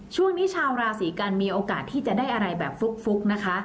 ช่วงนี้ชาวราศีกันมีโอกาสที่จะได้อะไรแบบฟลุกนะคะ